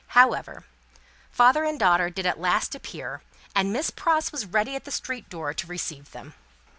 However, father and daughter did at last appear, and Miss Pross was ready at the street door to receive them.